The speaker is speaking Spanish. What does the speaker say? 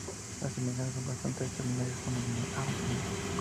Las semejanzas son bastante extraordinarias con el de Avignon.